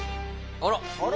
あら？